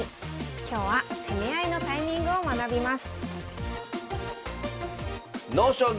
今日は攻め合いのタイミングを学びます